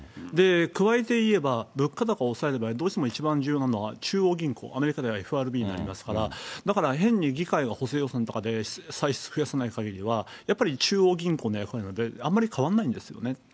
加えて言えば、物価高を抑える場合、どうしても一番重要なのは、中央銀行、アメリカではＦＲＢになりますから、だから変に議会が補正予算とかで歳出増やさないかぎりは、やっぱり中央銀行の役割、あんまり変わらないんですよね。